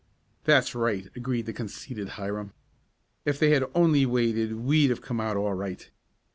"That's right," agreed the conceited Hiram. "If they had only waited we'd have come out all right.